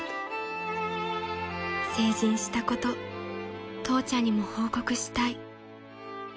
［成人したこと父ちゃんにも報告したい］